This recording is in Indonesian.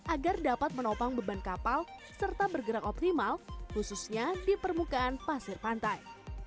agar dapat menopang beban kapal serta bergerak optimal khususnya di permukaan pasir pantai